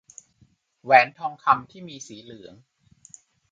แหวนทองคำที่มีสีเหลือง